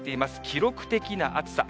記録的な暑さ。